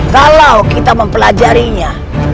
kalau kita mempelajarinya